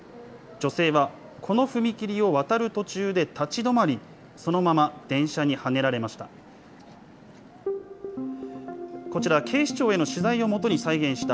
女性は、この踏切を渡る途中で立ち止まり、そのまま電車にはねられました。